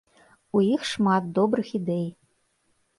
У іх шмат добрых ідэй.